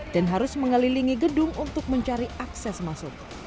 dan harus mengelilingi gedung untuk mencari akses masuk